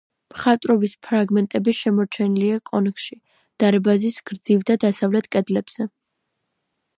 მხატვრობის ფრაგმენტები შემორჩენილია კონქში, დარბაზის გრძივ და დასავლეთ კედლებზე.